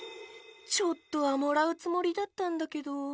ちょっとはもらうつもりだったんだけど。